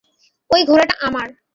ওই ঘোড়াটা আমার!